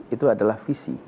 itu adalah visi